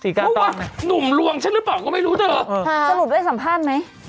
เพราะว่าหนุ่มลวงฉันหรือเปล่าก็ไม่รู้เธอสรุปได้สัมภาษณ์ไหม